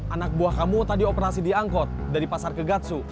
anak buah kamu tadi operasi diangkut dari pasar ke ragatsu